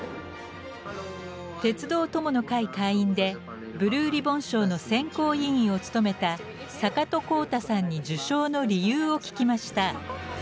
「鉄道友の会」会員でブルーリボン賞の選考委員を務めた坂戸宏太さんに受賞の理由を聞きました。